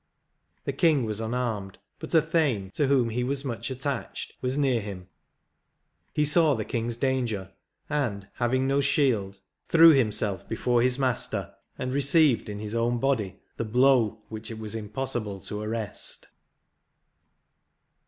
The king was unarmed, but a thane, to whom he was much attached, was near him ; he saw the king's danger, and, having no shield, threw himself before his master, and received in his own body the blow which it was impossible to arrest.